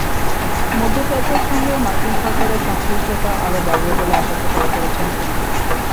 মধ্যপ্রাচ্যের সঙ্গে মার্কিন সরকারের সংশ্লিষ্টতা আরও বাড়বে বলে আশা প্রকাশ করেছেন তিনি।